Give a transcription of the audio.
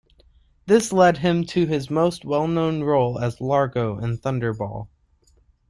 This led him to his most well known role as Largo in "Thunderball".